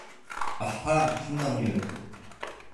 Ahha, şimdi anlıyorum.